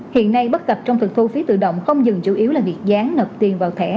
hiện nay bất cập trong việc thu phí tự động không dừng chủ yếu là việc dán nập tiền vào thẻ